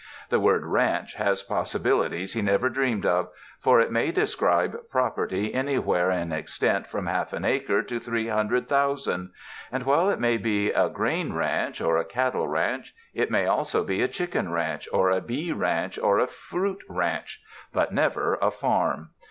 The word "ranch" has possibilities he never dreamed of, for it may describe property anywhere in extent from half an acre to three hundred thou sand ; and while it may be a grain ranch or a cattle ranch, it may also be a chicken ranch or a bee ranch or a fruit ranch — but never a "farm."